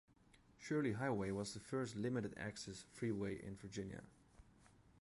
Shirley Highway was the first limited-access freeway in Virginia.